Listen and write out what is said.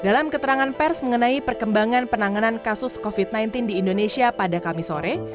dalam keterangan pers mengenai perkembangan penanganan kasus covid sembilan belas di indonesia pada kamis sore